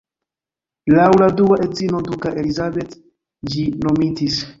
Laŭ la dua edzino duka Elisabeth ĝi nomitis.